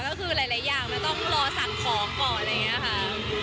ก็คือหลายอย่างมันต้องรอสั่งของก่อนอะไรอย่างนี้ค่ะ